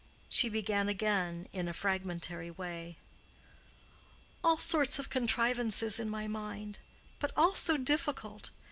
She began again in a fragmentary way, "All sorts of contrivances in my mind—but all so difficult.